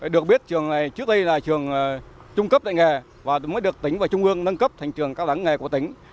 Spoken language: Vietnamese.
được biết trường này trước đây là trường trung cấp dạy nghề và mới được tính và trung ương nâng cấp thành trường cao đẳng nghề của tỉnh